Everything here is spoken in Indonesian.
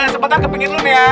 nenek sebentar kepingin lo ya